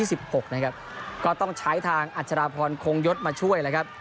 เส้นแรก๒๔๒๖ก็ต้องใช้ทางอัจจะราพรคงยศมาช่วยนะครับ